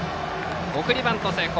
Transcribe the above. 送りバント成功。